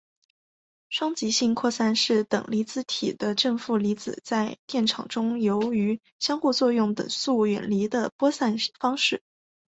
双极性扩散是等离子体的正负粒子在电场中由于相互作用等速远离的扩散方式。